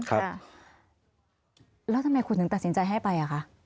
แล้วทำไมคุณถึงตัดสินใจให้ไปอ่ะคะ